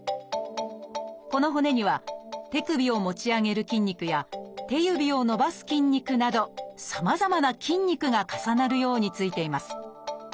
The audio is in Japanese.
この骨には手首を持ち上げる筋肉や手指を伸ばす筋肉などさまざまな筋肉が重なるようについています。